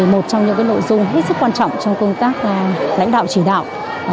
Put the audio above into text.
một trong những nội dung hết sức quan trọng trong công tác lãnh đạo chỉ đạo